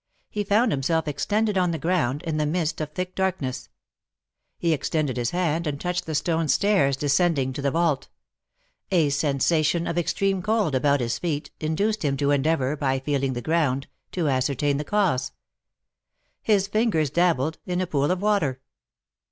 He found himself extended on the ground, in the midst of thick darkness; he extended his hand and touched the stone stairs descending to the vault; a sensation of extreme cold about his feet induced him to endeavour, by feeling the ground, to ascertain the cause: his fingers dabbled in a pool of water.